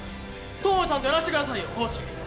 友部さんとやらせてくださいよコーチ！